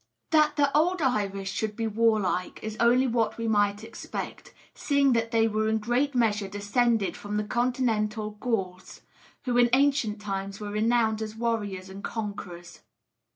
That the old Irish should be warlike is only what we might expect; seeing that they were in great measure descended from the Continental Gauls, who in ancient times were renowned as warriors and conquerors.